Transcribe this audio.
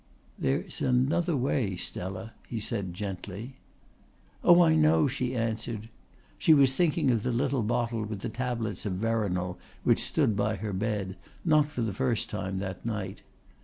"There's another way, Stella," he said gently. "Oh, I know," she answered. She was thinking of the little bottle with the tablets of veronal which stood by her bed, not for the first time that night.